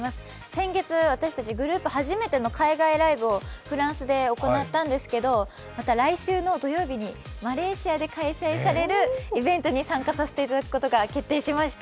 先月、私たち、グループ初めての海外ライブをフランスで行ったんですが、また来週土曜日にマレーシアで開催されるイベントに参加させていただくことが決定しました。